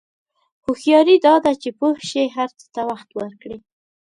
هوښیاري دا ده چې پوه شې هر څه ته وخت ورکړې.